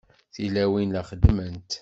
Tilawin la xeddment.